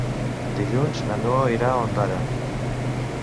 Dilluns na Noa irà a Ondara.